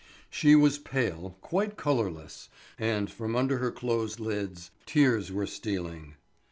She was pale, quite colourless; and from under her closed lids tears were stealing.